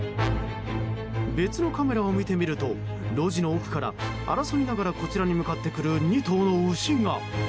別のカメラを見てみると路地の奥から、争いながらこちらに向かってくる２頭の牛が。